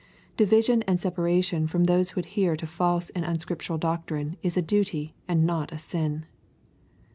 Division and separation from those who adhere to false and unscriptural doctrine is a duty and not a sin.